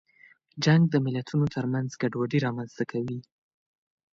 جنګ د ملتونو ترمنځ ګډوډي رامنځته کوي.